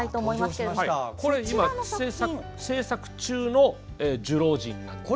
これは今、制作中の「寿老人」です。